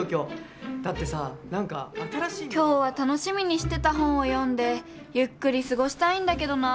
今日は楽しみにしてた本を読んでゆっくり過ごしたいんだけどな。